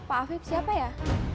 pak afif siapa ya